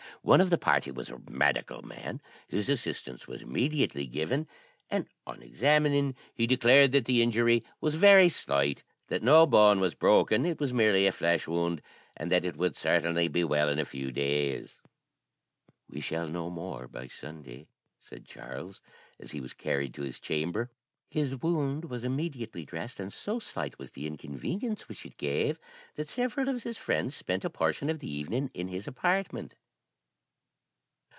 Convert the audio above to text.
One of the party was a medical man. His assistance was immediately given, and, on examining, he declared that the injury was very slight, that no bone was broken, it was merely a flesh wound, and that it would certainly be well in a few days. 'We shall know more by Sunday,' said Charles, as he was carried to his chamber. His wound was immediately dressed, and so slight was the inconvenience which it gave that several of his friends spent a portion of the evening in his apartment.